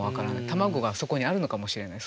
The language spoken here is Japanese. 卵がそこにあるのかもしれない。